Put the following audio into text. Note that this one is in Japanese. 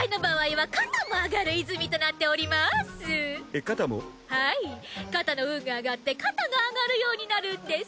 はい肩の運が上がって肩が上がるようになるんです。